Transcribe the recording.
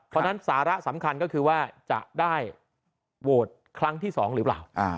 เพราะฉะนั้นสาระสำคัญก็คือว่าจะได้โหวตครั้งที่๒หรือเปล่า